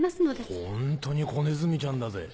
ホントに子ネズミちゃんだぜ。